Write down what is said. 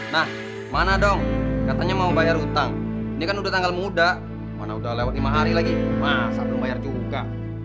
nah mana dong katanya mau bayar utang ini kan udah tanggal muda mana udah lewat lima hari lagi masa belum bayar cuka